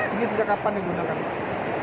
ini sudah kapan digunakan